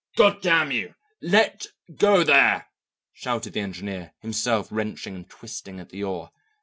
"God damn you, let go there!" shouted the engineer, himself wrenching and twisting at the oar.